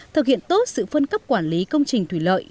thực hiện tốt sự phân cấp quản lý công trình thủy lợi